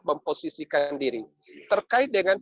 memposisikan diri terkait dengan